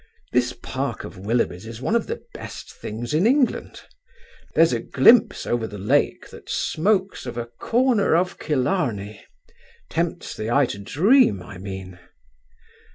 This park of Willoughby's is one of the best things in England. There's a glimpse over the lake that smokes of a corner of Killarney; tempts the eye to dream, I mean."